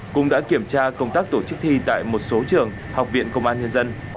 cũng đã kiểm tra công tác tổ chức thi tại một số trường học viện công an nhân dân